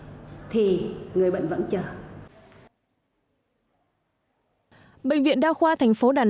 bệnh viện đa khoa thành phố đà nẵng đã phát triển bệnh viện đa khoa thành phố đà nẵng